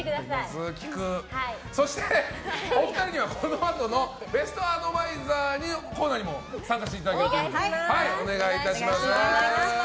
そして、お二人にはこのあとのベストアドバイザーのコーナーにも参加していただけるということでお願いいたします。